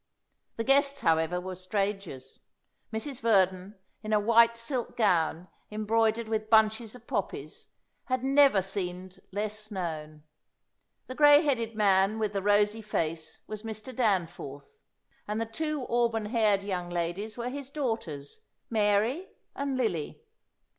The guests, however, were strangers. Mrs. Verdon, in a white silk gown embroidered with bunches of poppies, had never seemed less known. The grey headed man with the rosy face was Mr. Danforth, and the two auburn haired young ladies were his daughters, Mary and Lily.